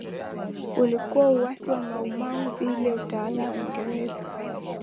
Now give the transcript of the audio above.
Ulikuwa uasi wa Mau Mau dhidi ya utawala wa Uingereza